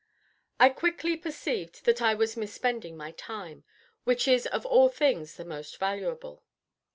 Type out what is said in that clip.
I quickly, perceived that I was misspending my time, which is of all things the most valuable.